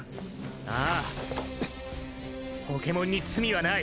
ああポケモンに罪はない。